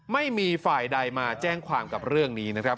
ไม่มีฝ่ายใดมาแจ้งความกับเรื่องนี้นะครับ